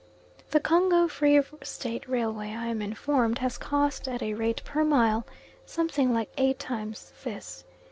The Congo Free State railway I am informed, has cost, at a rate per mile, something like eight times this.